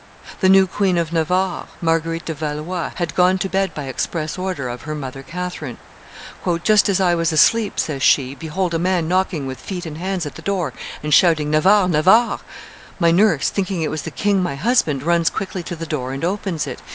The new Queen of Navarre, Marguerite de Valois, had gone to bed by express order of her mother Catherine. "Just as I was asleep," says she, "behold a man knocking with feet and hands at the door and shouting, Navarre! Navarre! My nurse, thinking it was the king my husband, runs quickly to the door and opens it.